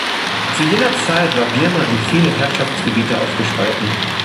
Zu jener Zeit war Birma in viele Herrschaftsgebiete aufgespalten.